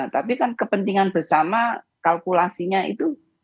tapi kan kepentingan bersama kalkulasinya itu